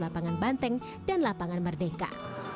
lapangan banteng dan lapangan merdeka